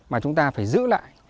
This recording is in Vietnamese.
mà chúng ta phải giữ lại